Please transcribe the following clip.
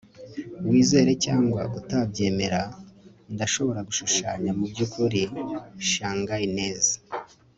Wizere cyangwa utabyemera ndashobora gushushanya mubyukuri shanghainese